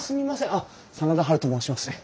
あっ真田ハルと申します。